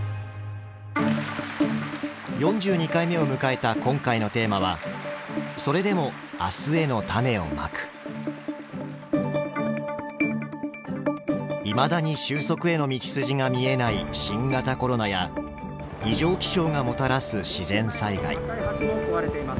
４２回目を迎えた今回のテーマはいまだに終息への道筋が見えない新型コロナや異常気象がもたらす自然災害